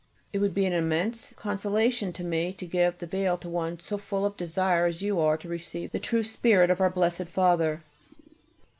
It would be an immense consolation to me to give the veil to one so full of desire as you are to revive the true spirit of our Blessed Father.